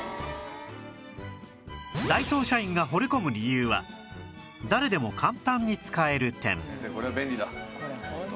ダイソー社員が惚れ込む理由は誰でも簡単に使える点